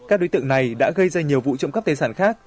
các đối tượng này đã gây ra nhiều vụ trộm cắp tài sản khác